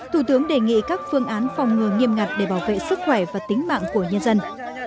thủ tướng đề nghị các phương án phòng ngừa nghiêm ngặt để bảo vệ sức khỏe và tính mạng của nhân dân